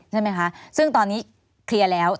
ใช่ไหมคะซึ่งตอนนี้เคลียร์แล้ว